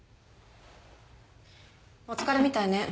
お疲れみたいね。